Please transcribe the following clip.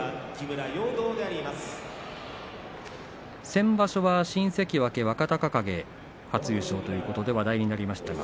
先場所は新関脇若隆景初優勝ということで話題になりました。